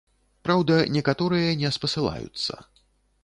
Праўда, некаторыя не спасылаюцца.